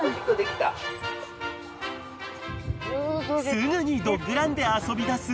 ［すぐにドッグランで遊びだす